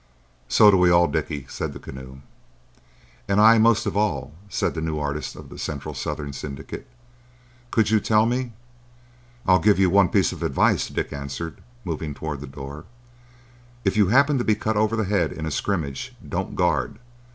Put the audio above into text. "So do we all, Dickie," said the Keneu. "And I most of all," said the new artist of the Central Southern Syndicate. "Could you tell me——" "I'll give you one piece of advice," Dick answered, moving towards the door. "If you happen to be cut over the head in a scrimmage, don't guard.